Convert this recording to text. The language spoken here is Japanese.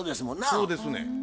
そうですねん。